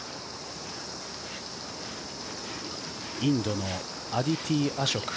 インドのアディティ・アショク。